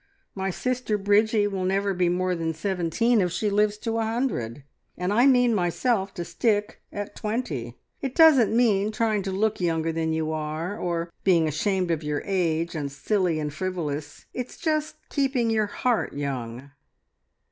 My sister Bridgie will never be more than seventeen if she lives to a hundred, and I mean myself to stick at twenty. It doesn't mean trying to look younger than you are, or being ashamed of your age, and silly, and frivolous: it's just keeping your heart young!"